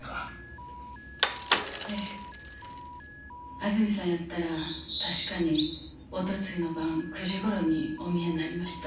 安住さんやったら確かにおとついの晩９時頃にお見えになりました。